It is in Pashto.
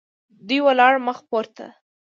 دوی ولاړل مخ پورته.